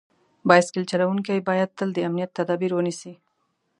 بایسکل چلونکي باید تل د امنیت تدابیر ونیسي.